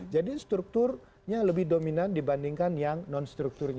jadi strukturnya lebih dominan dibandingkan yang non strukturnya